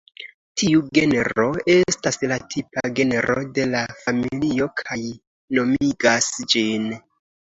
Tiu genro estas la tipa genro de la familio kaj nomigas ĝin.